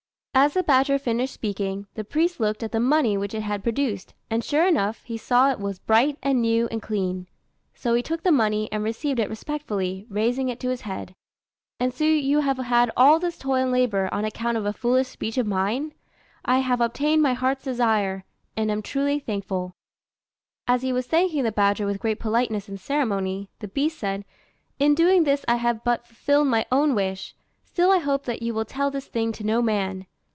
As the badger finished speaking, the priest looked at the money which it had produced, and sure enough he saw that it was bright and new and clean; so he took the money, and received it respectfully, raising it to his head. [Footnote 81: An island on the west coast of Japan, famous for its gold mines.] "And so you have had all this toil and labour on account of a foolish speech of mine? I have obtained my heart's desire, and am truly thankful." As he was thanking the badger with great politeness and ceremony, the beast said, "In doing this I have but fulfilled my own wish; still I hope that you will tell this thing to no man."